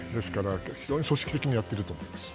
非常に組織的にやっていると思います。